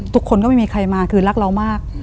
ทุกคนก็ไม่มีใครมาคือรักเรามาก